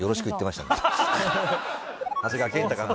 長谷川健太監督